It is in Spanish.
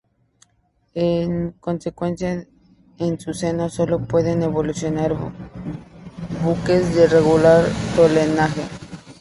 En consecuencia en su seno sólo pueden evolucionar buques de regular tonelaje.